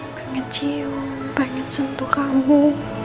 pengen cium pengen sentuh kamu